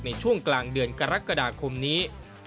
ในช่วงกลางเดือนกรกฎาคมนี้